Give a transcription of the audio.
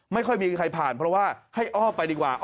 ไม่ค่อยมีใครผ่านเพราะว่าให้อ้อมไปดีกว่า